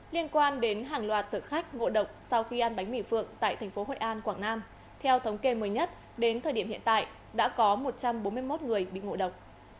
liên quan đến hàng loạt thực khách ngộ độc sau khi ăn bánh mì phượng tại thành phố hội an quảng nam theo thống kê mới nhất đến thời điểm hiện tại đã có một trăm bốn mươi một người bị ngộ độc